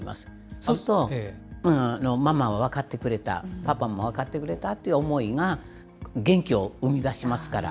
そうすると、ママは分かってくれた、パパも分かってくれたという思いが元気を生み出しますから。